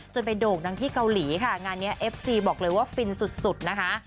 ไปโด่งดังที่เกาหลีค่ะงานนี้เอฟซีบอกเลยว่าฟินสุดนะคะ